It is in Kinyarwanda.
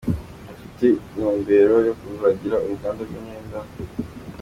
Afite intumbero yo kuzagira uruganda rw’imyenda.